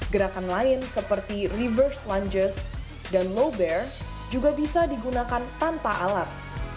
gerakan lain seperti reverse lunges dan low bare juga bisa digunakan tanpa alat